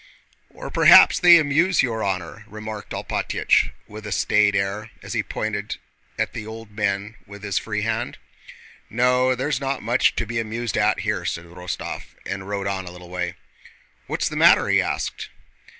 "Or perhaps they amuse your honor?" remarked Alpátych with a staid air, as he pointed at the old men with his free hand. "No, there's not much to be amused at here," said Rostóv, and rode on a little way. "What's the matter?" he asked.